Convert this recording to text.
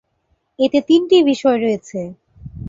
এতে তিনটি বিষয় রয়েছে।